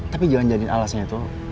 tapi jangan jadi alasnya tuh